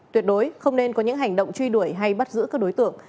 tuyệt đối không nên có những hành động truy đuổi hay bắt giữ các đối tượng